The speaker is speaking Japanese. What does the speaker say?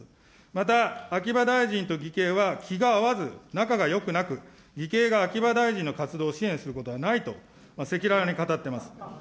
また秋葉大臣と義兄は気が合わず、仲がよくなく、義兄が秋葉大臣の活動を支援することはないと、赤裸々に語ってます。